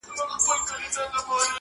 پر نغمو پر زمزمو چپاو راغلى٫